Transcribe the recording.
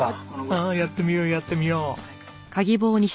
ああやってみようやってみよう。